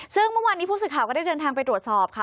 ซึ่งเมื่อวานนี้ผู้สื่อข่าวก็ได้เดินทางไปตรวจสอบค่ะ